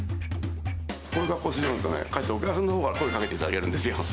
この格好するとね、かえってお客さんのほうから声かけていただけるんですよ。